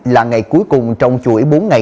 là ngày cuối cùng trong chuỗi bốn ngày